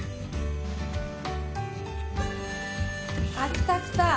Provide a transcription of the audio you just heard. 来た来た。